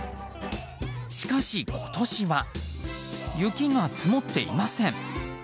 しかし今年は雪が積もっていません。